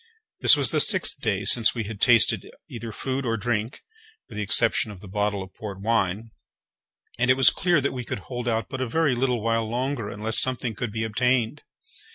This was the sixth day since we had tasted either food or drink, with the exception of the bottle of port wine, and it was clear that we could hold out but a very little while longer unless something could be obtained.